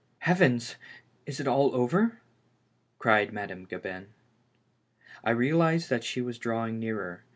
"Heavens! is it all over? " cried Madame Gabin. I realized that she was drawing nearer.